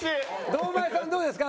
堂前さんどうですか？